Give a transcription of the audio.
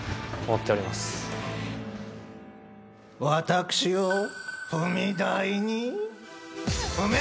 私を。